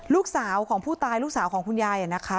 ลูกสาวของผู้ตายลูกสาวของคุณยายนะคะ